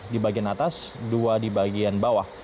di bagian atas dua di bagian bawah